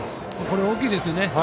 これは大きいですね。